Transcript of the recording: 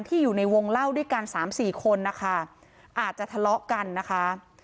อยู่ในวงเล่าด้วยกันสามสี่คนนะคะอาจจะทะเลาะกันนะคะ